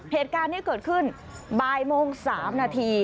เหตุการณ์นี้เกิดขึ้นบ่ายโมง๓นาที